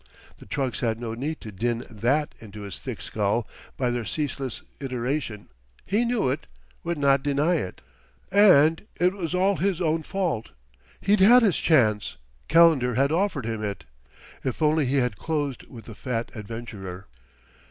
The trucks had no need to din that into his thick skull by their ceaseless iteration; he knew it, would not deny it.... And it was all his own fault. He'd had his chance, Calendar had offered him it. If only he had closed with the fat adventurer!...